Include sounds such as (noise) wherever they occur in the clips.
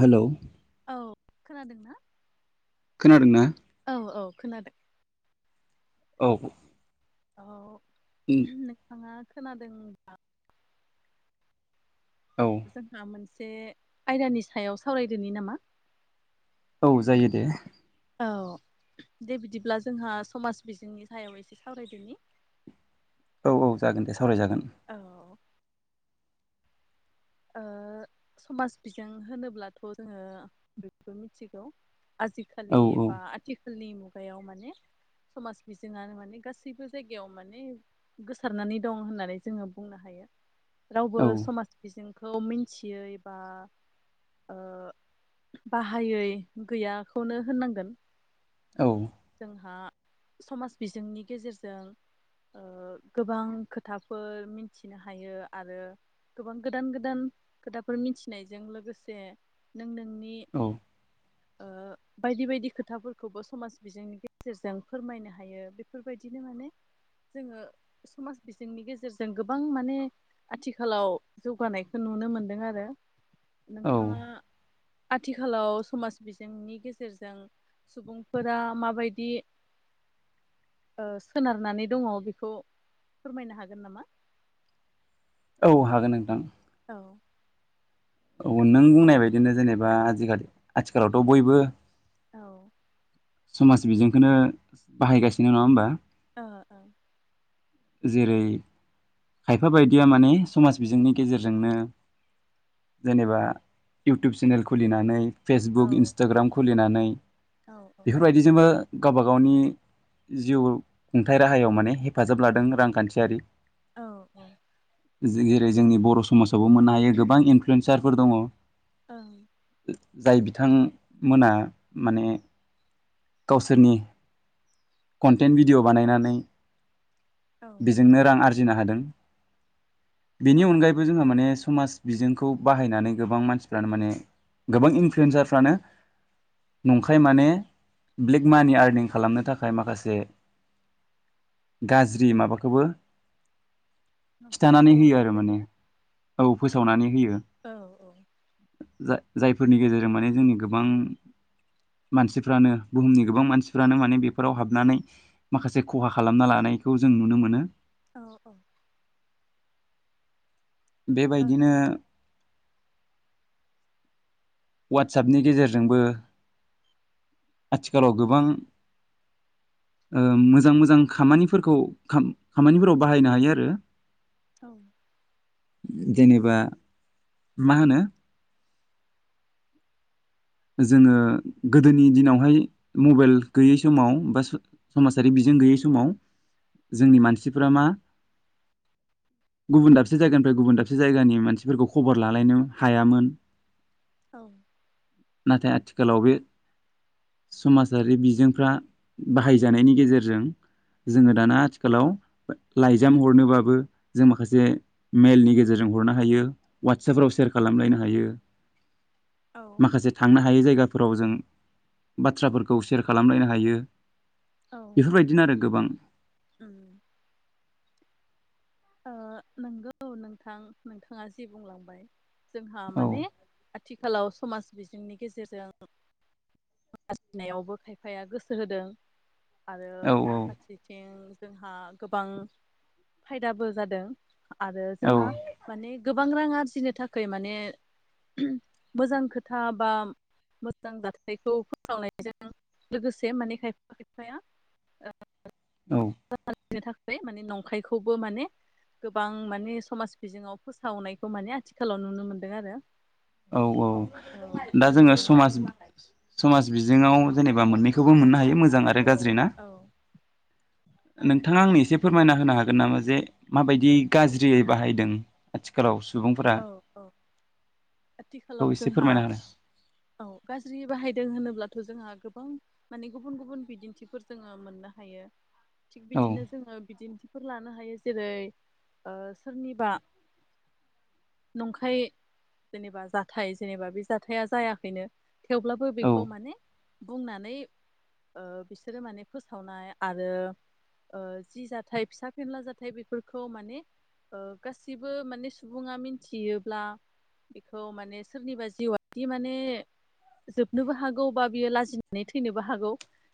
Hello. औ खोनादों ना? खोनादोंं ना? औ औ खोनादों। औ। औ। नोंथाङा खोनादोंबा औ जोंहा मोनसे से आयदानि सायाव सावरायदोनि नामा? औ जायो दे। औ दे बिदिब्ला जोंहा समाज बिजोंनि सायाव एसे सावरायदोनि औ औ जागोन दे सावरायजागोन। औ। ओ समाज बिजों होनोब्लाथ' जोङो बयबो मिथिगौ। औ आजिखालि बा आथिखालनि मु गायाव माने समाज बिजोङानो माने गासैबो जायगायाव माने गोसारनानै दं होननानै जोङो बुंनो हायो। रावबो औ समाज बिजों खौ मिन्थियै बा ओ बाहायै गैयाखौनो होननांगोन। औ जोंहा समाज बिजोंनि गेजेरजों ओ गोबां खोथाफोर मिथिनो हायो आरो गोबां गोद गोदान गोदान खोथाफोर मिथिनायजों लोगोसे नों नों नि औ ओ बायदि बायदि खोथाफोरखौबो समाज बिजोंनि गेजेरजों फोरमायनो हायो। बेफोरबायदिनो माने जोङो समाज बिजोंनि गेजेरजों गोबां माने आथिखालाव जौगानायखौ नुनो मोनदों आरो। औ नोंथाङा आथिखालाव समाज बिजोंनि गेजेरजों सुबुंफोरा माबायदि ओ सोनारनानै दङ' बेखौ फोरमायनो हागोन नामा? औ हागोन नोंथां। औ। औ नों बुंनाय बायदिनो जेनेबा आजिखालि आथिखालावथ' बयबो औ समाज बिजोंखोनो बाहायगासिनो नङा होमबा? ओ ओ। जेरै खायफा बायदिया माने समाज बिजोंनि गेजेरजोंनो जेनेबा इउटुब चेनेल खुलिनानै ओ फेसबुक औ इन्सटाग्राम खुलिनानै औ (inaudible) बेफोरबायदिजोंबो गावबा गावनि जिउ खुंथाइ राहायाव माने हेफाजाब लादों रांखान्थियारि औ औ औ। जेरै जोंनि बर' समाज खौबो मोननो हायो गोबां इनफ्लुयेन्स सारफोर दङ। ओं। जाय बिथां मोना माने गावसोरनि कन्टेन्ट भिडिय' बानायनानै औ बेजोंनो रां आरजि जिनो हादों। औ बेनि अनगायैबो जोंहा माने समाज बिजोंखौ बाहायनानै गोबां मानसिफ्रानो माने गोबां इनफ्लुयन्सारफ्रानो नंखाय माने ब्लेक मानि आरनिं खालामनो थाख थाखाय माखासे गाज्रि माबाखौबो खिथानानै होयो फोसावनाय आरो माने जायो औ फोसावनानै होयो औ जा जायफोरनि गेजेरजों माने जोंनि गोबां मानसिफ्रानो बुहुमनि गोबां मानसिफ्रानो माने बेफोर फोराव हाबनानै माखासे खहा खालामना लानायखौ जों नुनो मोनो। औ औ। औ बेबायदिनो वाटसापनि गेजेरजोंबो आथिखालाव गोबां ओ मोजां मोजां खामानिफोरखौ खामानिफोराव बाहायनो हायो आरो। औ। जेनेबा मा होनो जोङो गोदोनि दिनावहाय मबाइल गैयै समाव बास स समाजारि बिजों गैयै समाव जोंनि मानसिफोरा मा गुबुन दाबसे जायगानिफ्राय गुबुन दाबसे जायगानि मानसिफोरखौ खबर लालायनो हायामोन। औ। नाथाय आथिखालाव बे समाजारि बिजोंफ्रा बाहायजानायनि गेजेरजों जोङो दाना आथिखालाव लाइजाम हरनोबाबो जों माखासे मेलनि गेजेरजों हरनो हायो वाटसापफ्राव सेयार खालामलायनो हायो। औ। बे जायगाफोराव जों बाथ्राफोरखौ सेयार खालामलायनो हायो। औ बेफोरबायदिनो आरो गोबां। उम ओ नोंगौ नोंथां नोंथाङा जे बुंलांबाय। जोंहा औ माने आथि खालाव समाज बिजोंनि गेजेरजों नायावबो खायफाया गोसो होदों। आरो औ फारसेथिं जोंहा गोबां फायदाबो जादों आरो जोंहा औ माने गोबां रांआरज फिनो थाखाय माने मोजां खोथा बा मोजां जाथायखौ फोसावनायजों लोगोसे माने खायफा खायफाया ओ औ (unintelligible) फ्राय माने नंखायखौबो माने गोबां माने समाज बिजोङाव फोसावनायखौ माने आथिखालाव नुनो मोनदों आरो औ औ औ दा बिदिनो जोङो समाज समाज बिज बिङाव जेनेबा मोननैखौबो मोननो हायो मोजां आरो गाज्रि ना औ नोंथाङा आंनो एसे फोरमायना होनो हागोन नामा जे माबायदि गाज्रियै बाहायदों आथिखालाव सो सुबुंफोरा औ औ खौ आथिखालाव एसे जोंहा फोरमायना औ गाज्रि बाहायदों होनोब्लाथ' जोंहा गोबां माने गुबुन गुबुन बिदिन्थिफोर जोङो मोननो हायो थिग होदो बिदिनो जोङो बिदिनो फोर लानो हायो जेरै सोरनिबा नंखाय जेनेबा जाथाय जेनेबा बे जाथाया जायाखैनो थेवब्लाबो औ बेखौ माने बुंनानै बिसोरो माने फोसावनाय आरो जि जाथाय फिसा फेनला जाथायाइ बेफोरखौ माने ओ गासिबो माने सुबुङा मिन थियोब्ला बेखौ माने सोरनिबा जिउआदि माने जोबनोबो हागौ बा बियो लाजिनानै थैनोबो हागौ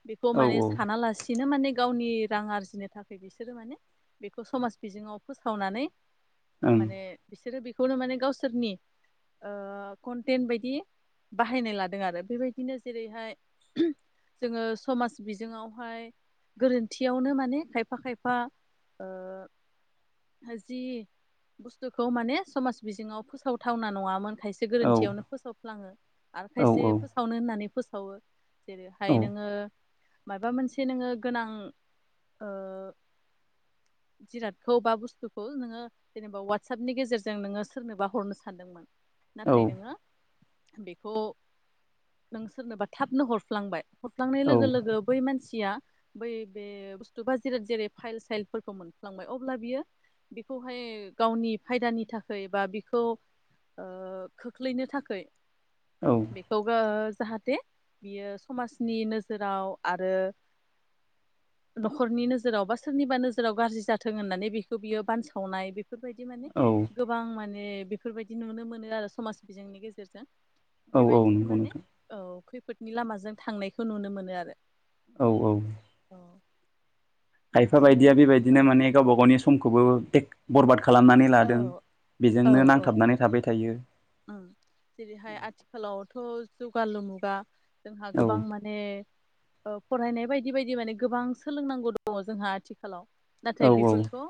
बेखौ औ माने सानालासिनो माने गावनि रां आरजिनो थाखाय बिसोरो माने बेखौ समाज बिजोङाव फोसावनानै औ ओं माने बिसोरो बे खौनो माने गावसोरनि ओ कन्टेन्ट बायदि बाहायनाय लादों आरो बेबायदिनो जेरैहाय जोङो समाज बिजोङावहाय गोरोन्थियावनो माने खायफा खायफा ओ जि बुस्थुखौ माने समाज बिजोङाव फोसावथावना नङामोन खायसे औ गोरोन्थियावनो फोसावफ्लाङो आरो औ खायसे फोसावनो होननानै फोस सावो जेरै हाय औ नोङो माबा मोनसे नोङो गोनां ओ जिरादखौ बा बुस्थुखौ नोङो जेनेबा वाटसपनि गेजेरजों जों नोङो सोरनोबा हरनो सानदोंमोन नाथाय नोङो बेखौ नों सोरनोबा थाबनो हरफ्लांबाय हाबलांनाय लोगो लोगो बै मानस सिया बै बे बसथु बा जेरै फाइल साइलफोरखौ मोनफ्लांबाय अब्ला बियो बेखौहाय गावनि फायदानि थाख खै बा बिखौ ओ खोख्लैनो थाखै बेखौ गो जाहाथे बियो समाजनि नोजोराव आरो न'खरनि नोजोराव बा सोरनिबा नोजोराव गाज्रि जाथों होननानै बेखौ बियो बानसावनाय बेफोरबायदि माने औ औ आं माने बेफोरबायदि नुनो मोनो आरो समाज बिजोंनि गेजेरजों औ औ बेबायदिनो नंगौ माने नोंथां औ खैफो फोदनि लामाजों थांनायखौ नुनो मोनो आरो औ औ औ खायफा बिदिनो बायदिया औ बेबायदिनो माने गावबा गावनि समखौबो टेग बरबाद खालामनानै औ लादों औ बेजोंनो औ नांथाबनानै थाबाय थायो उम जेरैहाय आथिखालावथ' जौगालु मुगा जोंहा औ गोबां माने ओ फरायनाय बायदि बायदि माने गोबां सोलोंनांगौ दङ जोंहा आथिखालाव औ नाथाय औ बेफोरखौ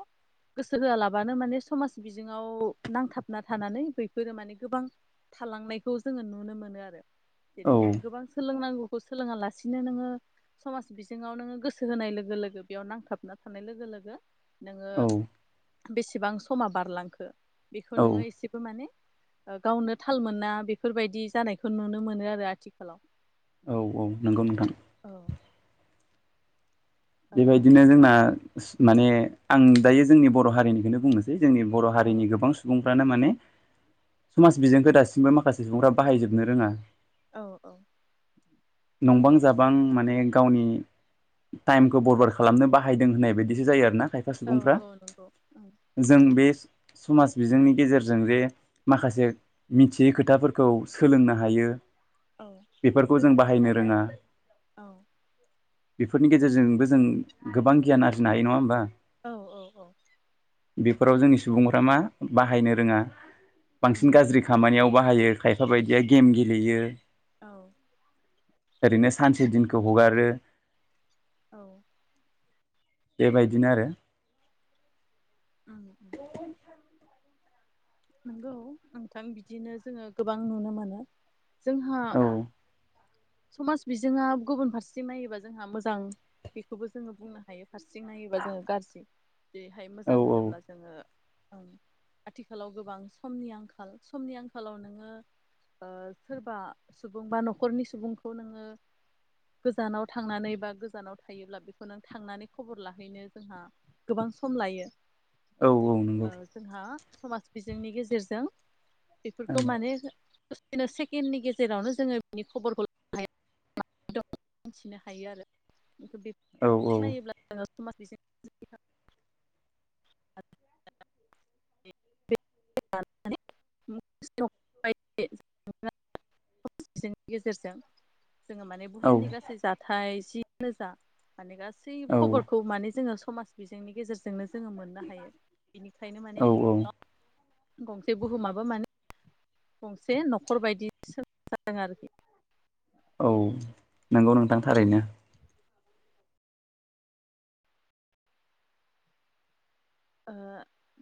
गोसो होआलाबानो माने समाज बिजोङाव नांथाबना थानानै बैफोरो माने गोबां थालांनायखौ जोङो नुनो मोनो आरो औ जेरैहाय नों गोबां सोलोंनांगौ खौ सोलोङा लासिनो नोङो समाज बिजोङाव नोङो गोसो होनाय लोगो लोगो बेयाव नांथाबना थानाय लोगो लोगो नोङो औ बेसेबां समा बारलांखो बेखौ औ नोङो एसेबो माने ओ गावनो थाल मोना बेफोरबायदि जानायखौ नुनो मोनो आरो आथिखालाव औ औ नंगौ नोंथां औ ओ बेबायदिनो जोंना माने आं दायो जोंनि बर' हारिनिखौनो बुंनो जोंनि बर' औ हारिनि गोबां सुबुंफ्रानो माने समाज बिजोंखौ दासिमबो माखासे सुबुंफ्रा बाहायजोबनो रोङा औ औ नंबां जाबां माने गावनि टाइमखौ बरबार खालामनो बाहायदों होननाय बायदिसो जायो आरो ना खायफा औ सुबुंफ्रा औ नंगौ ओं जों बे समाज बिजोंनि गेजेरजों जे माखासे मिथियै खोथाफोरखौ सोलोंनो हायो औ बेफोरखौ जों बाह बाहायनो रोङा औ। बेफोरनि गेजेर गेजेरजोंबो जों गोबां गियान आरजि हायो नङा होमबा औ औ औ। बेफोराव जोंनि सुबुंफ्रा मा बाहायनो रोङा। उम बांसिन गाज्रि खामानियाव। बाहायो खायफा बायदिया गेम गेलेयो। औ। ओरैनो सानसे दिनखौ हगारो। औ। बेबायदिनो आरो। उम (unintelligible) नंगौ नोंथां बिदिनो जोङो गोबां नुनो मोनो। जोंहा। औ समाज बिजोङा गुबुन फारसेथिं नायोबा जोंहा मोजां बेखौबो जोङो बुंनो। हायो फारसेथिं नायोबा जोङो गाज्रि जेरैहाय औ मोजां होनोब्ला जोङो। ओं आथिखालाव। गोबां समनि आंखाल समनि आंखालाव नोङो ओ सोरबा सुबुं बा न'खरनि सुबुंखौ नोङो गोजानाव थांनानै बा गोजानाव थायोब्ला बेखौ नों थांनानै खबर लाहैनो जोंहा गोबां सम लायो। औ औ ओ नंगौ जोंहा। समास। बिजोंनि गेजेरजों। बेफोरखौ माने। दसेनो सेकेणडनि गेजेरावनो जोङो बिनि खबरखौ हाया। दं मिनथिनो हायो आरो। औ (unintelligible) औ नायोब्ला जोङो (unintelligible) (unintelligible) गेजेरजों। जोङो माने औ बुहुमनि गासै जाथाय। जि रोजा। माने गासै औ खबरखौ माने जोङो। समाज बिजोंनि गेजेरजोंनो। जोङो मोननो हायो बेनिखायनो औ माने। औ गंसे बुहुमाबो माने गंसे न'खर बायदिसो जादों आरोखि। औ नंगौ नोंथां थारैनो। ओ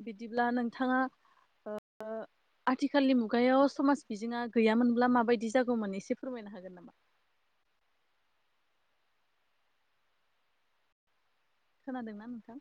बिदिब्ला नोंथाङा ओ आथिखालनि मुगायाव समाज बिजोङा गैयामोनब्ला माबायदि जागौमोन एसे फोरमायनो हागोन नामा। खोनादोंना नोंथां।